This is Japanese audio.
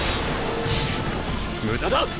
無駄だ！